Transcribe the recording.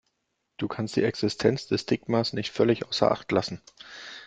Du kannst die Existenz des Stigmas nicht völlig außer Acht lassen.